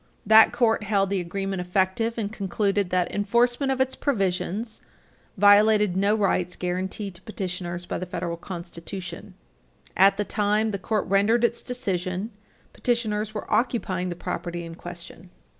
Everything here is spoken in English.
That court held the agreement effective and concluded that enforcement of its provisions violated no rights guaranteed to petitioners by the Federal Constitution. [Footnote 2] At the time the court rendered its decision, petitioners were occupying the property in question.